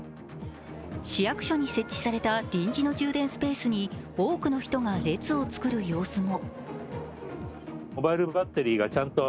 市役所に設置された臨時の充電スペースに多くの人が列を作る様子も。